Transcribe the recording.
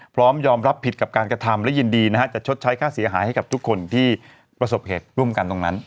พร้อมยอมรับผิดกับการกระทำและยินดีนะฮะจะชดใช้ค่าเสียหายให้กับทุกคนที่ประสบเหตุร่วมกันตรงนั้น